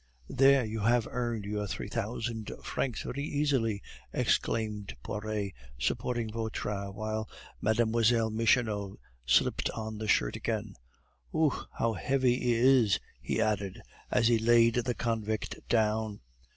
"There, you have earned your three thousand francs very easily," exclaimed Poiret, supporting Vautrin while Mlle. Michonneau slipped on the shirt again. "Ouf! How heavy he is," he added, as he laid the convict down.